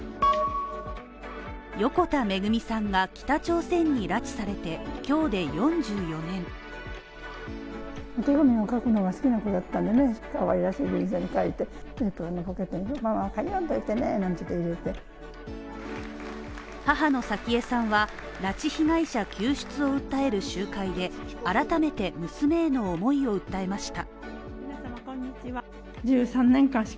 横田めぐみさんが北朝鮮に拉致されて、今日で４４年母の早紀江さんは拉致被害者救出を訴える集会で、改めて娘への思いを訴えました。